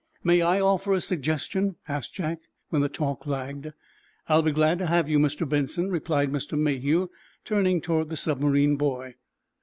"May I offer a suggestion?" asked Jack, when the talk lagged. "I'll be glad to have you, Mr. Benson," replied Mr. Mayhew, turning toward the submarine boy.